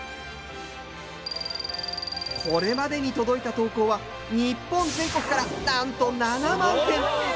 これまでに届いた投稿は日本全国からなんと７万件。